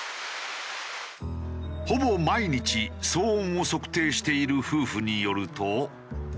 ほぼ毎日騒音を測定している夫婦によると。